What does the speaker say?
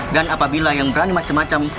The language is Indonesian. dan apabila yang berani macam macam